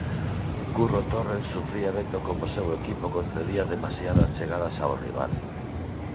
Curro Torres sufría vendo como o seu equipo concedía demasiadas chegadas ao rival.